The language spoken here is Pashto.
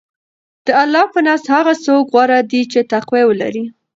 د الله په نزد هغه څوک غوره دی چې تقوی ولري.